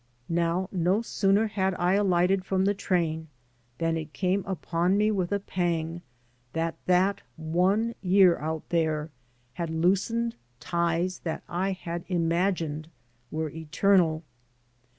Now, no sooner had I alighted from the train than it came upon me with a pang that that one year out there had loosened ties that I had imagined were eternal.